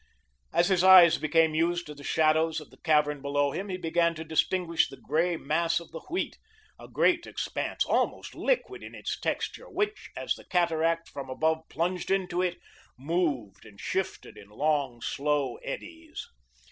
As his eyes became used to the shadows of the cavern below him, he began to distinguish the grey mass of the wheat, a great expanse, almost liquid in its texture, which, as the cataract from above plunged into it, moved and shifted in long, slow eddies.